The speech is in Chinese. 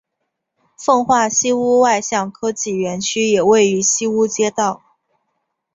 奉化西坞外向科技园区也位于西坞街道。